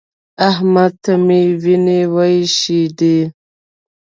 احمد ته مې وينې وايشېدې.